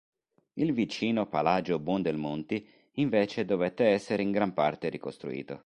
Il vicino Palagio Buondelmonti invece dovette essere in gran parte ricostruito.